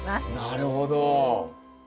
なるほど。